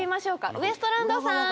ウエストランドさん！